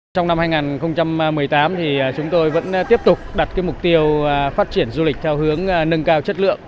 trong năm hai nghìn một mươi tám thì chúng tôi vẫn tiếp tục đặt mục tiêu phát triển du lịch theo hướng nâng cao chất lượng